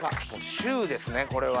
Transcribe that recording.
「秀」ですねこれは。